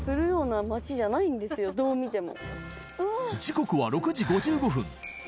どう見ても。